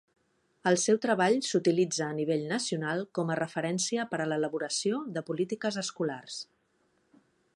El seu treball s'utilitza a nivell nacional com a referència per a l'elaboració de polítiques escolars.